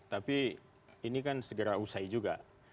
tapi ini kan segera usai juga